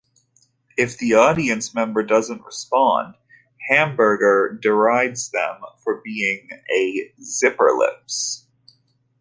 If the audience member doesn't respond, Hamburger derides them for being a "zipper lips".